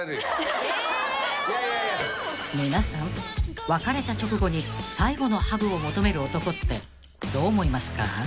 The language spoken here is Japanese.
［皆さん別れた直後に最後のハグを求める男ってどう思いますか？］